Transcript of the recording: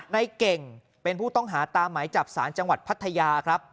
ในเก่งเป็นผู้ต้องหาตามหมายจับสารจังหวัดพัทยาครับ